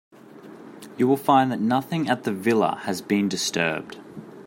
You will find that nothing at the villa has been disturbed.